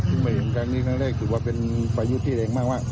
พรึ่งมีทางนี้ครั้งแรกถือว่าเป็นประยุทธิแรงมาก